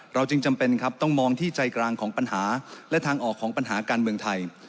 จึงจำเป็นครับต้องมองที่ใจกลางของปัญหาและทางออกของปัญหาการเมืองไทย